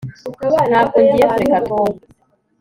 Ntabwo ngiye kureka Tom